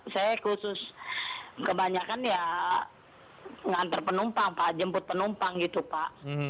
saya khusus kebanyakan ya ngantar penumpang pak jemput penumpang gitu pak